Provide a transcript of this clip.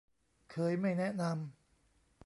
เคยไม่แนะนำ